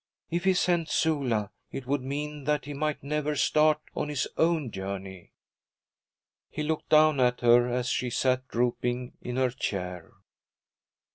If he sent Sula, it would mean that he might never start on his own journey. He looked down at her, as she sat drooping in her chair.